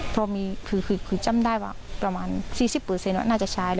พอมีคือจำได้ว่าประมาณ๔๐เปอร์เซ็นต์ว่าน่าจะใช้